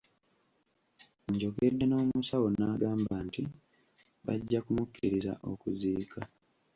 Njogedde n’omusawo n’agamba nti bajja kumukkiriza okuziika.